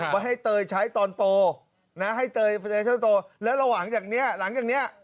ไว้ให้เตยใช้ตอนโตนะให้เตยเช่าโตแล้วระหว่างจากเนี้ยหลังจากเนี้ย